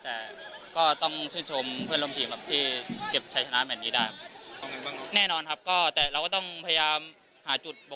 แต่ก็ต้องชื่นชมเพื่อนร่วมทีมครับที่เก็บชัยชนะแมทนี้ได้ครับ